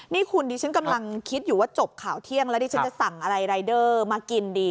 นี่คุณดิฉันกำลังคิดอยู่ว่าจบข่าวเที่ยงแล้วดิฉันจะสั่งอะไรรายเดอร์มากินดี